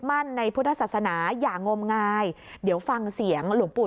ในพุทธศาสนาอย่างงมงายเดี๋ยวฟังเสียงหลวงปู่